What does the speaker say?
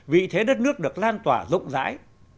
vị thế đất nước được lan tỏa rộng rãi